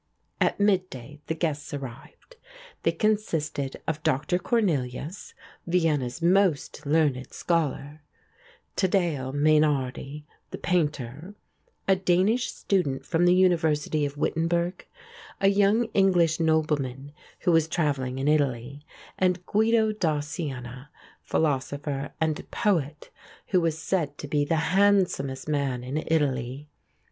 At mid day the guests arrived. They consisted of Dr. Cornelius, Vienna's most learned scholar; Taddeo Mainardi, the painter; a Danish student from the University of Wittenberg; a young English nobleman, who was travelling in Italy; and Guido da Siena, philosopher and poet, who was said to be the handsomest man in Italy.